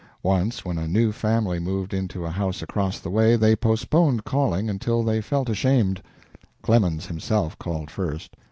Once when a new family moved into a house across the way they postponed calling until they felt ashamed. Clemens himself called first.